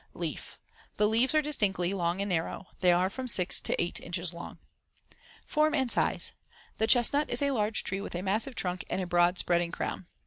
Leaf: The leaves are distinctly long and narrow. They are from 6 to 8 inches long. Form and size: The chestnut is a large tree with a massive trunk and broad spreading crown.